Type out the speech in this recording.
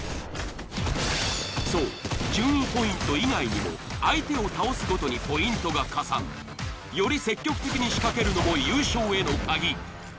そう順位ポイント以外にも相手を倒すごとにポイントが加算。より積極的に仕掛けるのも優勝への鍵。